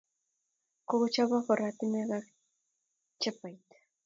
Kokochobok oratinwek ako chapait